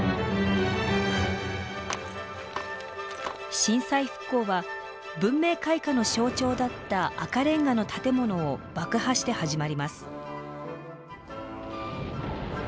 震災復興は文明開化の象徴だった赤レンガの建物を爆破して始まります。